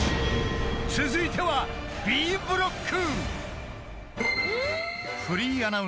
［続いてはＢブロック］